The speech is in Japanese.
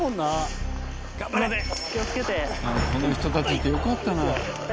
この人たちいてよかったな。